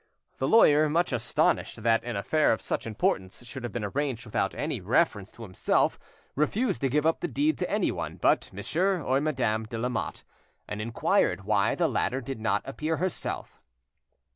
The lawyer, much astonished that an affair of such importance should have been arranged without any reference to himself, refused to give up the deed to anyone but Monsieur or Madame de Lamotte, and inquired why the latter did not appear herself.